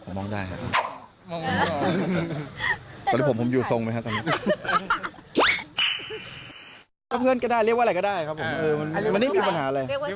แสดงว่าให้เจอกันก็มองหน้ากันเหรอครับครับฮ่า